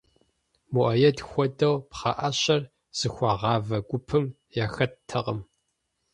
Муаед хуэдэу пхъэӀэщэр зыхуэгъавэ гупым яхэттэкъым.